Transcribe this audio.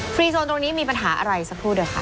รีโซนตรงนี้มีปัญหาอะไรสักครู่เดี๋ยวค่ะ